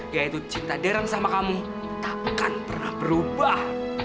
yaitu cinta darren sama kamu takkan pernah berubah